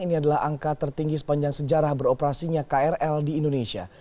ini adalah angka tertinggi sepanjang sejarah beroperasinya krl di indonesia